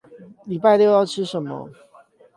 禮拜六要吃什麼